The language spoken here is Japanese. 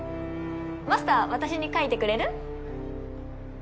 マスター私に描いてくれる？